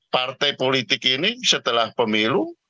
partai politik ini setelah pemilu